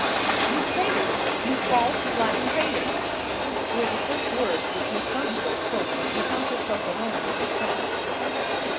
"You traitor; you false, black traitor!" were the first words which Miss Dunstable spoke when she found herself alone with her friend.